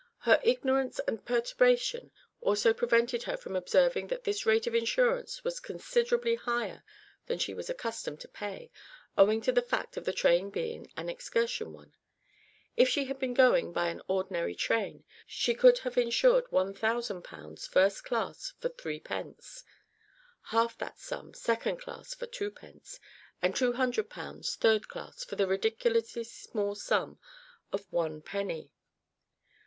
Her ignorance and perturbation also prevented her from observing that this rate of insurance was considerably higher than she was accustomed to pay, owing to the fact of the train being an excursion one. If she had been going by an ordinary train, she could have insured 1000 pounds, first class, for 3 pence; half that sum, second class, for 2 pence; and 200 pounds, third class, for the ridiculously small sum of one penny!